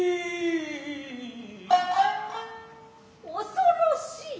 恐ろしい？